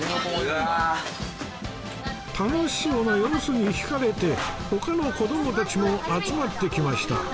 楽しそうな様子に引かれて他の子どもたちも集まってきました